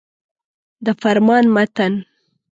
د فرمان متن.